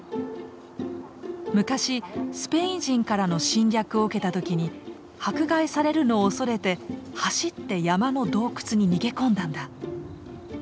昔スペイン人からの侵略を受けた時に迫害されるのを恐れて走って山の洞窟に逃げ込んだんだ。